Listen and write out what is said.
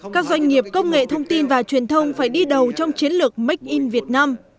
các doanh nghiệp công nghệ thông tin và truyền thông phải đi đầu trong chiến lược make in việt nam